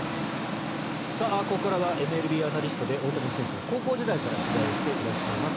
ここからはＭＬＢアナリストで大谷選手を高校時代から取材しています